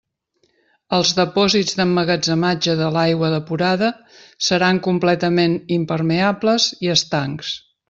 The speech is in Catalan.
Els depòsits d'emmagatzematge de l'aigua depurada seran completament impermeables i estancs.